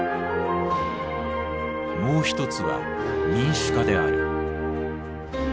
もう一つは民主化である。